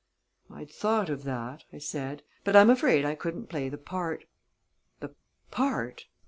"I'd thought of that," I said; "but I'm afraid I couldn't play the part." "The part?"